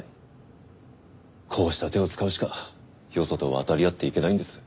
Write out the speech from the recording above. こうした手を使うしかよそと渡り合っていけないんです。